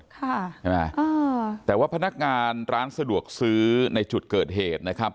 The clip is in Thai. ใช่ไหมอ่าแต่ว่าพนักงานร้านสะดวกซื้อในจุดเกิดเหตุนะครับ